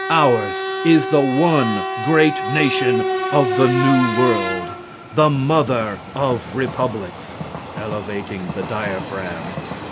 Ours is the one great nation of the New World the mother of republics. (Elevating the diaphragm.)